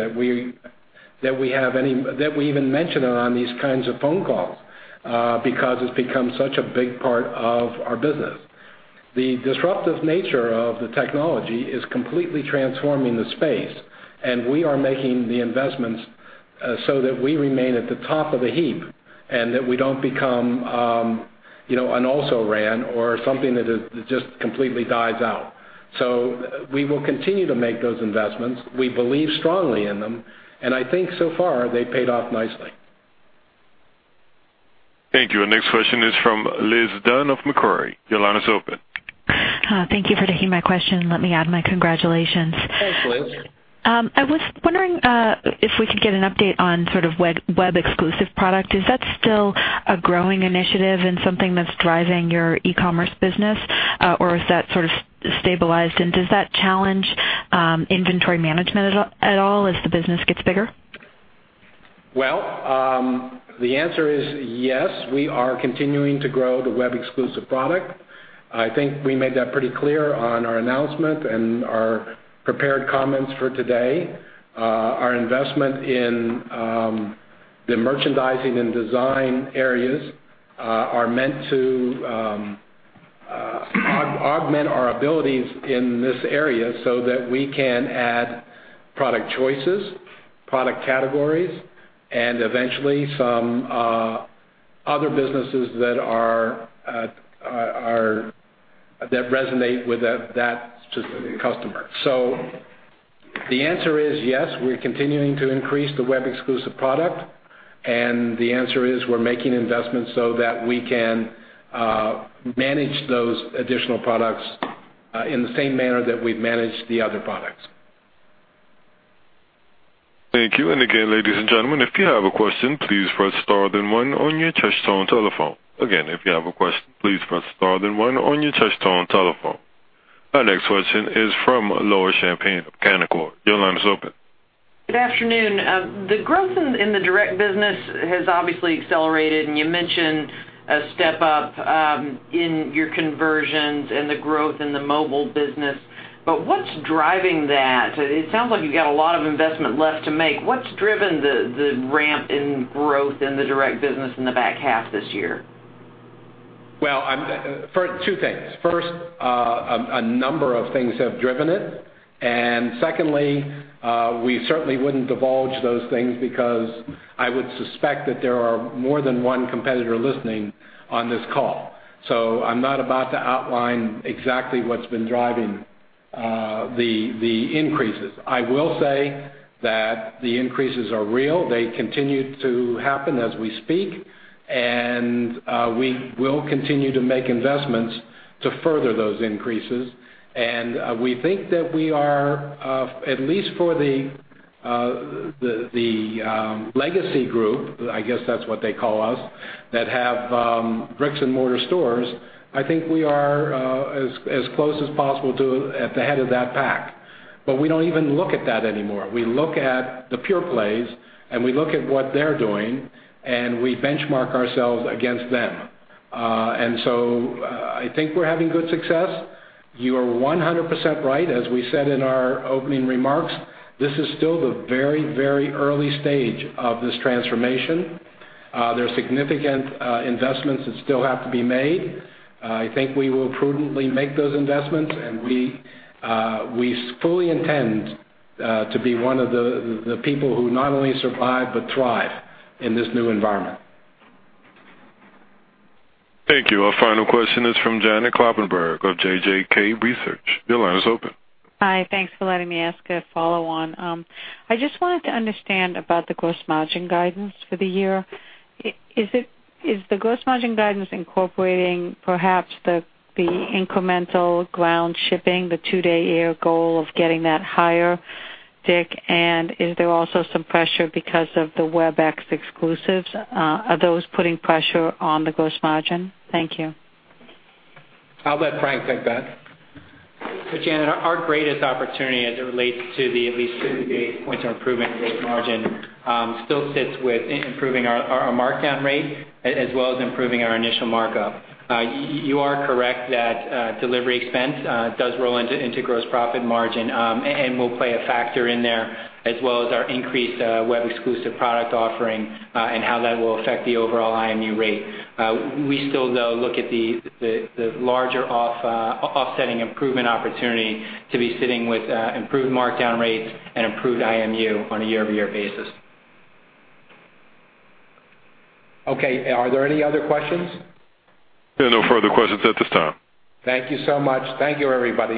that we even mention it on these kinds of phone calls because it's become such a big part of our business. The disruptive nature of the technology is completely transforming the space. We are making the investments so that we remain at the top of the heap and that we don't become an also-ran or something that just completely dies out. We will continue to make those investments. We believe strongly in them, and I think so far they've paid off nicely. Thank you. Our next question is from Liz Dunn of Macquarie. Your line is open. Hi. Thank you for taking my question. Let me add my congratulations. Thanks, Liz. I was wondering if we could get an update on web-exclusive product. Is that still a growing initiative and something that's driving your e-commerce business, or is that sort of stabilized? Does that challenge inventory management at all as the business gets bigger? Well, the answer is yes. We are continuing to grow the web-exclusive product. I think we made that pretty clear on our announcement and our prepared comments for today. Our investment in the merchandising and design areas are meant to augment our abilities in this area so that we can add product choices, product categories, and eventually some other businesses that resonate with that customer. The answer is yes, we're continuing to increase the web-exclusive product, the answer is we're making investments so that we can manage those additional products in the same manner that we've managed the other products. Thank you. Again, ladies and gentlemen, if you have a question, please press star then one on your touchtone telephone. Again, if you have a question, please press star then one on your touchtone telephone. Our next question is from Laura Champine of Canaccord. Your line is open. Good afternoon. The growth in the direct business has obviously accelerated, you mentioned a step up in your conversions and the growth in the mobile business, what's driving that? It sounds like you've got a lot of investment left to make. What's driven the ramp in growth in the direct business in the back half this year? Well, two things. First, a number of things have driven it. Secondly, we certainly wouldn't divulge those things because I would suspect that there are more than one competitor listening on this call. I'm not about to outline exactly what's been driving the increases. I will say that the increases are real. They continue to happen as we speak. We will continue to make investments to further those increases. We think that we are, at least for the legacy group, I guess that's what they call us, that have bricks and mortar stores, I think we are as close as possible at the head of that pack. We don't even look at that anymore. We look at the pure plays, and we look at what they're doing, and we benchmark ourselves against them. I think we're having good success. You are 100% right. As we said in our opening remarks, this is still the very early stage of this transformation. There are significant investments that still have to be made. I think we will prudently make those investments. We fully intend to be one of the people who not only survive but thrive in this new environment. Thank you. Our final question is from Janet Kloppenburg of JJK Research. Your line is open. Hi. Thanks for letting me ask a follow-on. I just wanted to understand about the gross margin guidance for the year. Is the gross margin guidance incorporating perhaps the incremental ground shipping, the two-day air goal of getting that higher, Dick? Is there also some pressure because of the web-exclusive? Are those putting pressure on the gross margin? Thank you. I'll let Frank take that. Janet, our greatest opportunity as it relates to the at least 50 basis points of improvement in gross margin still sits with improving our markdown rate as well as improving our initial markup. You are correct that delivery expense does roll into gross profit margin and will play a factor in there as well as our increased web-exclusive product offering and how that will affect the overall IMU rate. We still, though, look at the larger offsetting improvement opportunity to be sitting with improved markdown rates and improved IMU on a year-over-year basis. Okay. Are there any other questions? There are no further questions at this time. Thank you so much. Thank you, everybody.